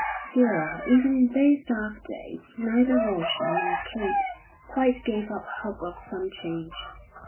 Still even in those dark days neither Roger nor Kate quite gave up hope of some change.